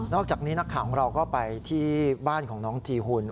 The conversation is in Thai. อกจากนี้นักข่าวของเราก็ไปที่บ้านของน้องจีหุ่น